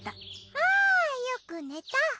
あよく寝た。